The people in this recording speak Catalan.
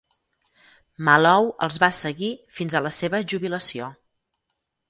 Malou els va seguir fins a la seva jubilació.